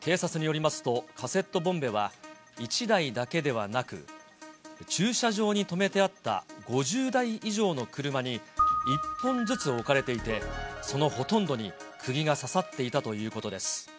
警察によりますと、カセットボンベは１台だけではなく、駐車場に止めてあった５０台以上の車に１本ずつ置かれていて、そのほとんどにクギが刺さっていたということです。